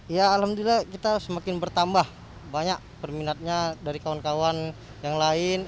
ya alhamdulillah kita semakin bertambah banyak peminatnya dari kawan kawan yang lain